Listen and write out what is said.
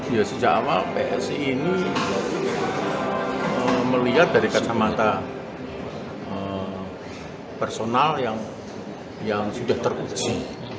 ya sejak awal psi ini melihat dari kacamata personal yang sudah terkunci